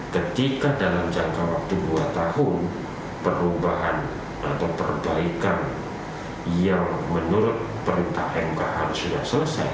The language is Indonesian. ketika dalam jangka waktu dua tahun perubahan atau perbaikan yang menurut perintah mk harus sudah selesai